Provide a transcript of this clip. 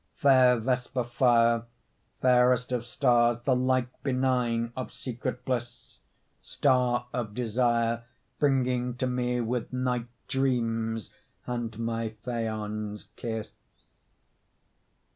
Fair vesper fire, Fairest of stars, the light Benign of secret bliss; Star of desire, Bringing to me with night Dreams and my Phaon's kiss.